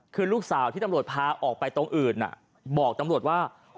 คือลูกสาวที่ตำรวจพาออกไปตรงอื่นบอกตำรวจว่า